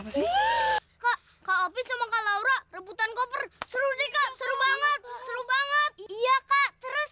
hai kakak apa sama kak laura rebutan koper seru seru banget seru banget iya kak terus